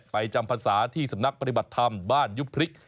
ไปจำภาษาที่สำนักปฏิบัติธรรมบ้านยุพฤษ